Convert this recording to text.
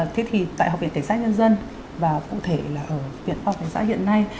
thế thì tại học viện tiến sát nhân dân và cụ thể là ở viện học viện tiến sát hiện nay